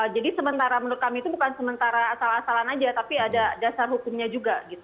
jadi sementara menurut kami itu bukan sementara asal asalan aja tapi ada dasar hukumnya juga